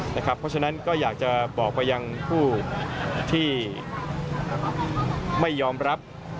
เพราะฉะนั้นก็อยากจะบอกไปยังผู้ที่ไม่ยอมรับ